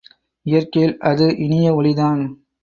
இயற்கையில் அது இனிய ஒலிதான்.